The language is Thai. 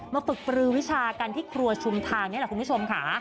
ฝึกปลือวิชากันที่ครัวชุมทางนี่แหละคุณผู้ชมค่ะ